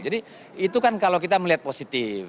jadi itu kan kalau kita melihat positif